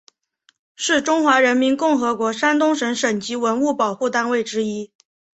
是中华人民共和国山东省省级文物保护单位之一。